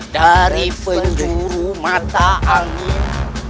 dari penjuru mata angin